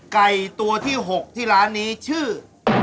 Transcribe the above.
ไก่ตัวที่๖ที่ร้านนี้ชื่อ